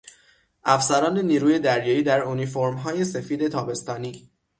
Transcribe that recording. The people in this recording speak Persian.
افسران نیروی دریایی در انیفورمهای سفید تابستانی